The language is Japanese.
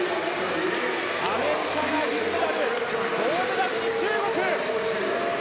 アメリカが銀メダル銅メダルに中国。